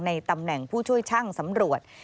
ตำแหน่งผู้ช่วยช่างสำรวจ